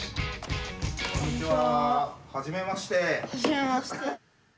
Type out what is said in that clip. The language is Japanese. ・はじめまして。